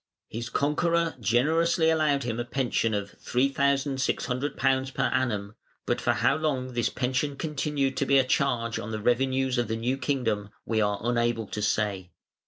His conqueror generously allowed him a pension of £3,600 per annum, but for how long this pension continued to be a charge on the revenues of the new kingdom we are unable to say.